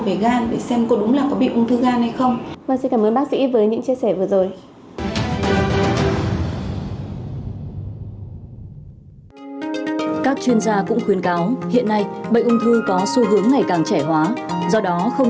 về gan để xem có đúng là có bị ung thư gan hay không